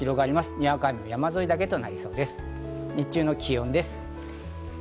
にわか雨は山沿いだけとなりそうです。